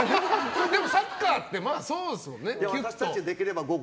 サッカーってそうですもんね。